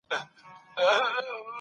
هغه وویل چي څېړنه د پوهي اساس دی.